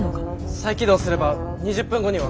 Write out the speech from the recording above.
再起動すれば２０分後には。